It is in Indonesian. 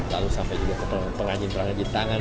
lalu sampai juga ke pengajin pengajin tangan